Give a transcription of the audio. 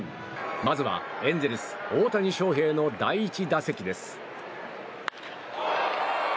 まずはエンゼルス、大谷翔平の第１打席です。